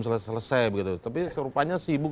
selesai tapi rupanya sibuk